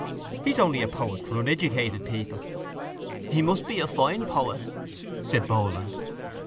He's only a poet for uneducated people. —He must be a fine poet! said Boland.